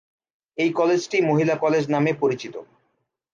এই কলেজটি 'মহিলা কলেজ' নামে পরিচিত।